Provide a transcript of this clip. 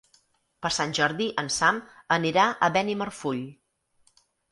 Per Sant Jordi en Sam anirà a Benimarfull.